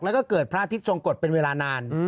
แล้วก็เกิดพระอาทิตย์ทรงกฎเป็นเวลานาน